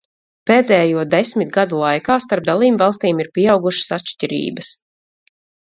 Pēdējo desmit gadu laikā starp dalībvalstīm ir pieaugušas atšķirības.